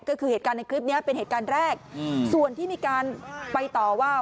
ก็คือเหตุการณ์ในคลิปนี้เป็นเหตุการณ์แรกส่วนที่มีการไปต่อว่า